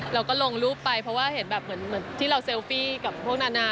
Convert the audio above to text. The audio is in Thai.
เราก็ลงรูปไปเพราะว่าเห็นแบบเหมือนที่เราเซลฟี่กับพวกนานา